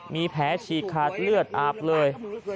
มีแผลฉีกขาดเลือดอาบเลย